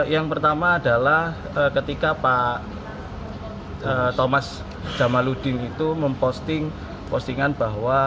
yang pertama adalah ketika pak thomas jamaludin itu memposting postingan bahwa